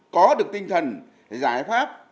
có được tinh thần giải pháp